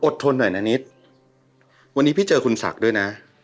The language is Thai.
ทนหน่อยนะนิดวันนี้พี่เจอคุณศักดิ์ด้วยนะ